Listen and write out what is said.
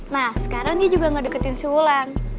nah sekarang dia juga gak deketin si wulan